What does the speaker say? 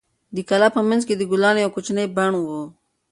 د کلا په منځ کې د ګلانو یو کوچنی بڼ و.